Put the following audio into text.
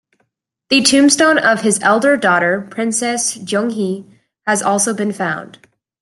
The tombstone of his elder daughter, Princess Jeonghye, has also been found.